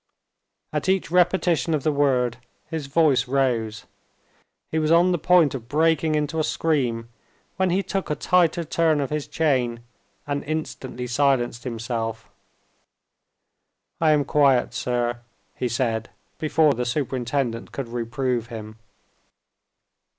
At each repetition of the word his voice rose. He was on the point of breaking into a scream, when he took a tighter turn of his chain and instantly silenced himself. "I am quiet, sir," he said, before the superintendent could reprove him.